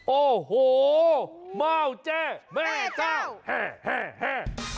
โอ้โหเม่าแจ้แม่เจ้าแห่แห่แห่